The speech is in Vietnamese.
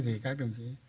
thì các đồng chí